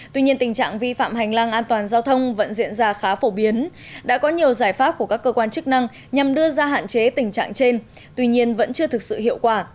tuy nhiên tình trạng vi phạm hành lang an toàn giao thông vẫn diễn ra khá phổ biến đã có nhiều giải pháp của các cơ quan chức năng nhằm đưa ra hạn chế tình trạng trên tuy nhiên vẫn chưa thực sự hiệu quả